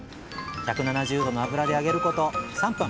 １７０℃の油で揚げること３分！